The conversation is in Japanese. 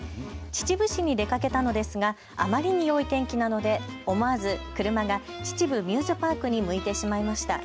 秩父市に出かけたのですがあまりによい天気なので思わず車が秩父ミューズパークに向いてしまいました。